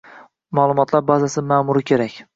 Ma'lumotlar bazasi ma'muri kerak